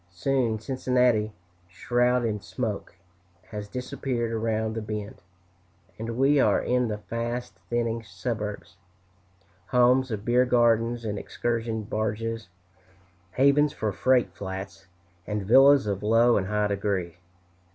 Soon Cincinnati, shrouded in smoke, has disappeared around the bend, and we are in the fast thinning suburbs homes of beer gardens and excursion barges, havens for freight flats, and villas of low and high degree.